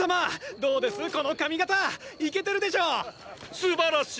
すばらしい！